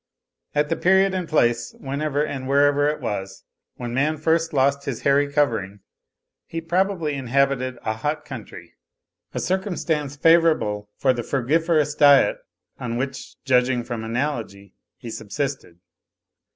At the period and place, whenever and wherever it was, when man first lost his hairy covering, he probably inhabited a hot country; a circumstance favourable for the frugiferous diet on which, judging from analogy, he subsisted.